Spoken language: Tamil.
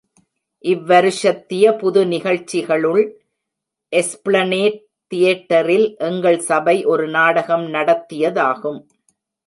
இவ் வருஷத்திய புது நிகழ்ச்சிகளுள் எஸ்பிளநேட் தியேட்டரில், எங்கள் சபை ஒரு நாடகம் நடத்தியதாகும்.